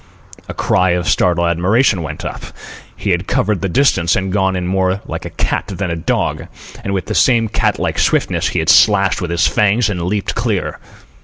A cry of startled admiration went up. He had covered the distance and gone in more like a cat than a dog; and with the same cat like swiftness he had slashed with his fangs and leaped clear.